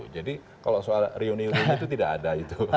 jadi kalau soal riuni riuni itu tidak ada